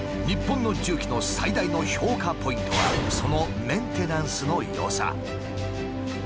日本の重機の最大の評価ポイントはそのメンテナンスの良さ。